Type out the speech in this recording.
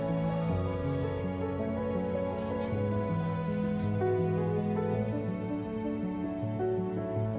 memiliki kekuatan yang lebih baik